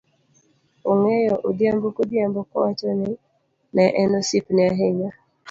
ong'eyo, odhiambo kodhiambo, kowacho ni ne en osiepne ahinya.